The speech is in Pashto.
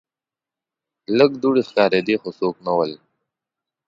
لږ دوړې ښکاریدې خو څوک نه ول.